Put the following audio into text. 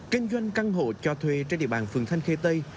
kinh doanh căn hộ cho thuê trên địa bàn phường thanh khê tây